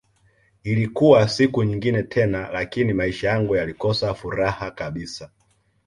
Ilikuwa siku nyingine tena lakini maisha yangu yalikosa furaha kabisa